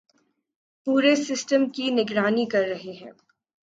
پورے سسٹم کی نگرانی کررہے ہیں